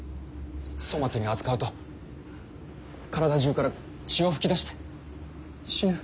粗末に扱うと体中から血を噴き出して死ぬ。